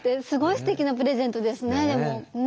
すごいすてきなプレゼントですねでも。